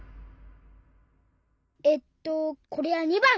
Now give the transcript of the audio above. えっとこれは②ばん。